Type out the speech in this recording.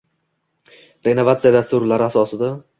Renovatsiya dasturlari asosida